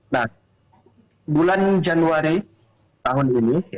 nah bulan januari tahun ini